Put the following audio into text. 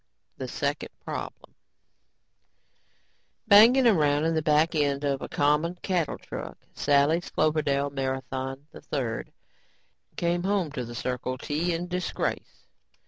Banging around in the back end of a common cattle truck, Sally's Cloverdale Marathon III came home to the Circle T in disgrace.